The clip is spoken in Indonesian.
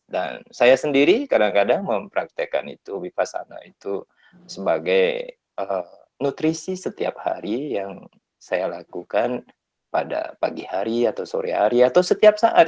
dan saya sendiri kadang kadang mempraktekkan itu vipassana itu sebagai nutrisi setiap hari yang saya lakukan pada pagi hari atau sore hari atau setiap saat